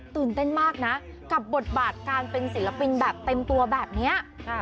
ตื่นเต้นมากนะกับบทบาทการเป็นศิลปินแบบเต็มตัวแบบนี้